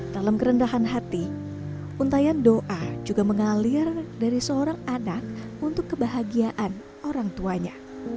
dalam kerendahan hati untayan doa juga mengalir dari seorang anak untuk kebahagiaan orang tuanya